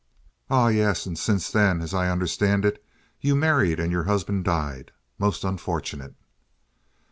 "Ah, yes, and since then, as I understand it, you married and your husband died. Most unfortunate."